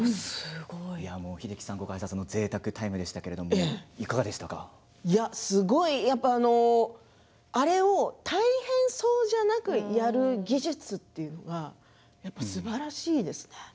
英樹さんご解説のぜいたくタイムでしたけれどもあれを大変そうじゃなくやる技術というのがやっぱりすばらしいですね。